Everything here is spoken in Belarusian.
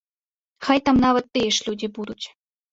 Хай там нават тыя ж людзі будуць.